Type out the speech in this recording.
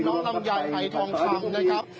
น้องลำยาไทยทองคำนะครับ